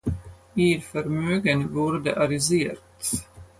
Ihr Vermögen wurde arisiert.